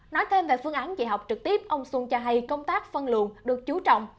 nói thêm về phương án dạy học trực tiếp ông xuân cho hay công tác phân luận được chú trọng